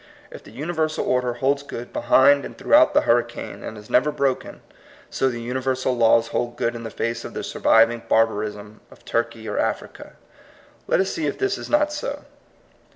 If the universal order holds good behind and throughout the hurricane, and is never broken, so the universal laws hold good in the face of all the surviving barbarism of Turkey or Africa. Let us see if this is not so.